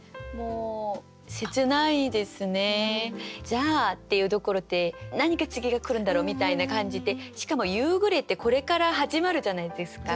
「じゃあ」っていうところで何か次が来るんだろうみたいな感じでしかも「夕暮れ」ってこれから始まるじゃないですか。